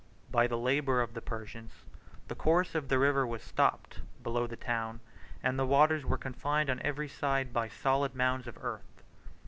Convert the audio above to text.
By the labor of the Persians, the course of the river was stopped below the town, and the waters were confined on every side by solid mounds of earth.